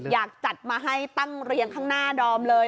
อยากจัดมาให้ตั้งเรียงข้างหน้าดอมเลย